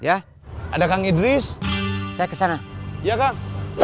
ya ada kang idris saya kesana iya kang